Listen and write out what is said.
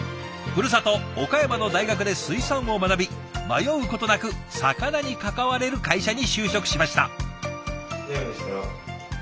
ふるさと岡山の大学で水産を学び迷うことなく魚に関われる会社に就職しました。